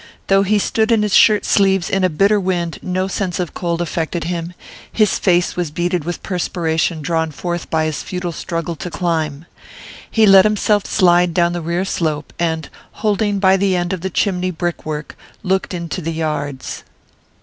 Though he stood in his shirt sleeves in a bitter wind no sense of cold affected him; his face was beaded with perspiration drawn forth by his futile struggle to climb. He let himself slide down the rear slope, and, holding by the end of the chimney brickwork, looked into the yards.